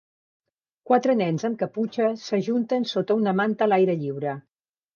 Quatre nens amb caputxa s'ajunten sota una manta a l'aire lliure.